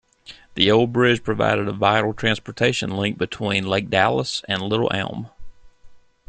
The old bridge provided a vital transportation link between Lake Dallas and Little Elm.